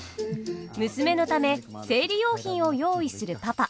娘のため生理用品を用意するパパ。